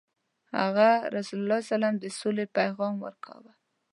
هغه ﷺ د سولې پیغام ورکاوه.